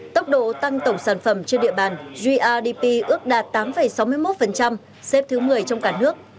tốc độ tăng tổng sản phẩm trên địa bàn grdp ước đạt tám sáu mươi một xếp thứ một mươi trong cả nước